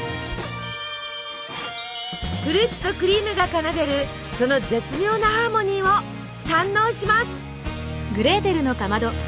フルーツとクリームが奏でるその絶妙なハーモニーを堪能します。